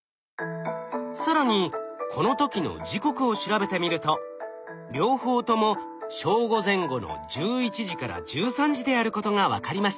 更にこの時の時刻を調べてみると両方とも正午前後の１１時から１３時であることが分かりました。